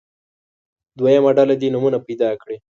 دویمه ډله دې نومونه پیدا کړي.